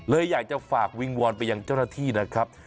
อยากจะฝากวิงวอนไปยังเจ้าหน้าที่นะครับ